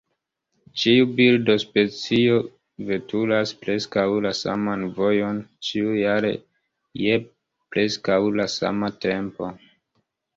Ĉiu birdospecio veturas preskaŭ la saman vojon ĉiujare, je preskaŭ la sama tempo.